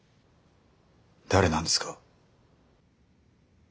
誰なんですか？